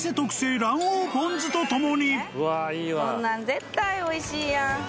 絶対おいしいやん。